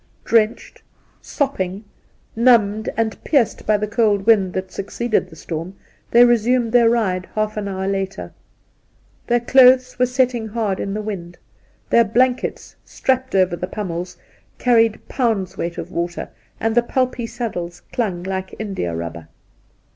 Drenched, sopping, numbed and pierced by the cold wind that succeeded the storm, they resumed their ride half an hour later. Their clothes were setting hard in the wind, their blankets — strapped over the pommels — carried pounds weight of water, and the pulpy saddles clung like indiarubber.